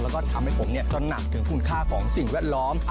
แล้วก็ทำให้ผมตระหนักถึงคุณค่าของสิ่งแวดล้อม